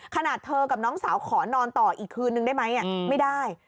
ขนาดเธอกับน้องสาวขอนอนต่ออีกคืนนึงได้ไหมไม่ได้